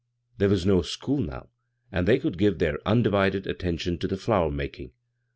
There was no school now, and they could give thdr undi vided attention to the flower making.